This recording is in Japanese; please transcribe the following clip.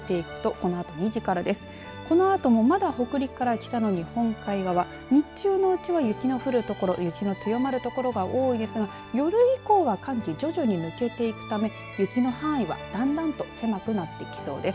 このあとも、まだ北陸から北の日本海側、日中のうちは雪の降る所雪の強まる所が多いですが夜以降は寒気徐々に抜けていくため雪の範囲はだんだんと狭くなっていきそうです。